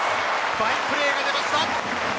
ファインプレーが出ました。